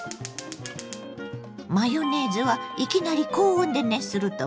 マヨネーズはいきなり高温で熱すると分離しやすいの。